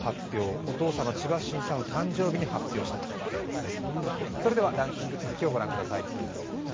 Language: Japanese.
お父様、千葉真一さんの誕生日に発表したということです。